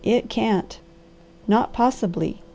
It can't! Not possibly!